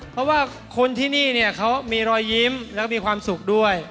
เพราะว่าคนที่นี่เขามีรอยยิ้มและมีความสุขด้วย